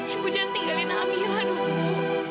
ibu jangan tinggalin aminah dulu